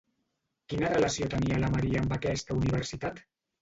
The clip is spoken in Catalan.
Quina relació tenia la María amb aquesta universitat?